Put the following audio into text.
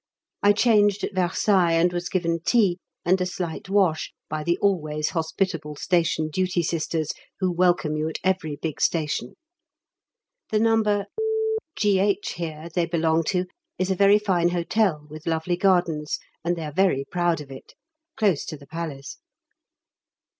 I changed at Versailles, and was given tea, and a slight wash by the always hospitable station duty Sisters, who welcome you at every big station. The No. G.H. here they belong to is a very fine hotel with lovely gardens, and they are very proud of it close to the Palace.